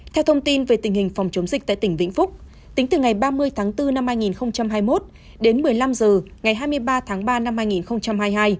theo thông tin về tình hình phòng chống dịch tại tỉnh vĩnh phúc tính từ ngày ba mươi tháng bốn năm hai nghìn hai mươi một đến một mươi năm h ngày hai mươi ba tháng ba năm hai nghìn hai mươi hai